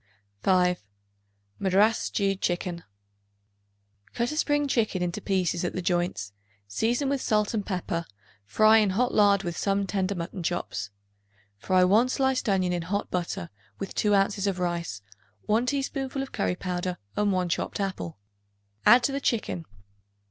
5. Madras Stewed Chicken. Cut a spring chicken into pieces at the joints; season with salt and pepper and fry in hot lard with some tender mutton chops. Fry 1 sliced onion in hot butter with 2 ounces of rice, 1 teaspoonful of curry powder and 1 chopped apple; add to the chicken.